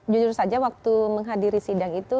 jujur saja waktu menghadiri sidang itu